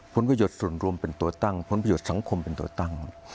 ผลประโยชน์ส่วนรวมเป็นตัวตั้งผลประโยชน์สังคมเป็นตัวตั้ง